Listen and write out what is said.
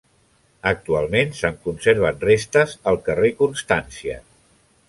Actualment se'n conserven restes al carrer Constància.